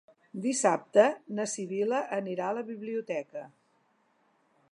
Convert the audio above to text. Dissabte na Sibil·la anirà a la biblioteca.